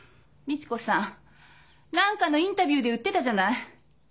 美智子さん何かのインタビューで言ってたじゃない。